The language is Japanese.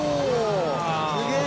すげえ！